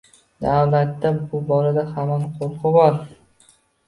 Davlatda bu borada hamon qo‘rquv bor.